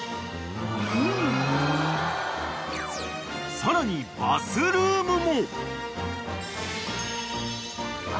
［さらにバスルームも］